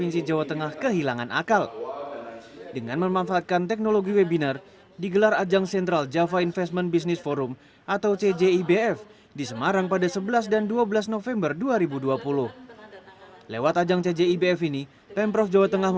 sampai jumpa di jawa tengah